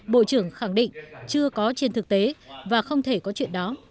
bộ trưởng khẳng định chưa có trên thực tế và không thể có chuyện đó